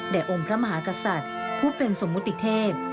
องค์พระมหากษัตริย์ผู้เป็นสมมุติเทพ